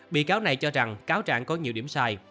bị cáo này cho rằng cáo trạng có nhiều điểm sai